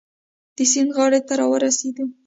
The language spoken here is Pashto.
د سیند غاړې ته را ورسېدو.